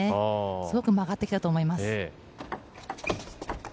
すごく曲がってきたと思います。